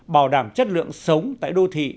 bảo đảm chất lượng sống tại đô thị